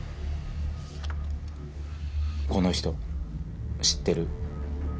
この人知ってる？